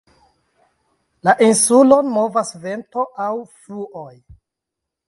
La insulon movas vento aŭ fluoj.